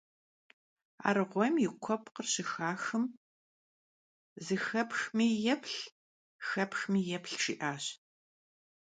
Arğuêym yi kuepkh şıxaxım, «Zıxepxmi yêplh, xepxmi yêplh»,— jji'aş.